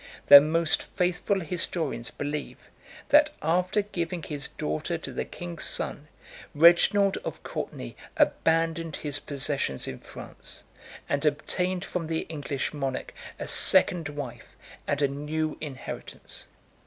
Their most faithful historians believe, that, after giving his daughter to the king's son, Reginald of Courtenay abandoned his possessions in France, and obtained from the English monarch a second wife and a new inheritance.